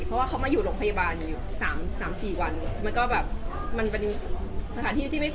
บอกว่านี่นะเดมมี่ออกมา